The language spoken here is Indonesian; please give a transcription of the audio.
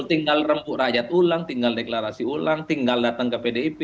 tinggal rempuk rakyat ulang tinggal deklarasi ulang tinggal datang ke pdip